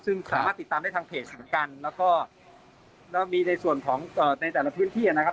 ซึ่งสามารถติดตามได้ทางเพจเหมือนกันแล้วก็แล้วมีในส่วนของในแต่ละพื้นที่นะครับ